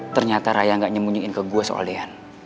ternyata raya gak nyemunyiin ke gue soal dian